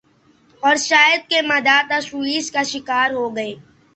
اور شاہد کے مداح تشویش کا شکار ہوگئے۔